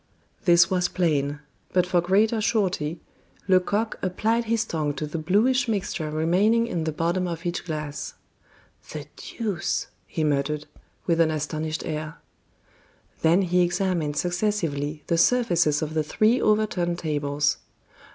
This was plain, but for greater surety, Lecoq applied his tongue to the bluish mixture remaining in the bottom of each glass. "The deuce!" he muttered, with an astonished air. Then he examined successively the surfaces of the three overturned tables.